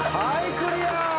クリア。